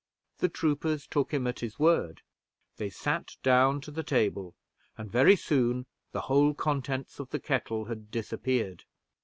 The troopers took him at his word; they sat down to the table, and very soon the whole contents of the kettle had disappeared.